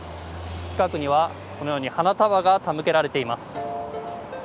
近くにはこのように花束が手向けられています。